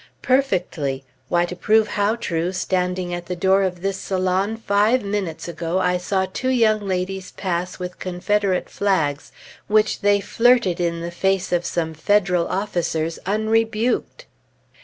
"Perfectly! Why, to prove how true, standing at the door of this salon five minutes ago, I saw two young ladies pass with Confederate flags, which they flirted in the face of some Federal officers, unrebuked!"